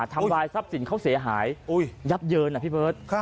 ทำลายทรัพย์สินเขาเสียหายยับเยินอ่ะพี่เบิร์ต